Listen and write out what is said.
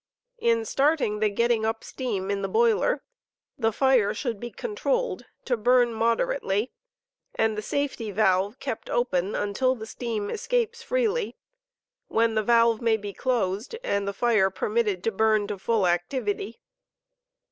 In starting the " getting up steam " in the boiler, the fire should be controlled to burn moderately, and the safety valve kept open until the steam escapes freely, when the valve may be closed and the fire permitted to burn to foil activity.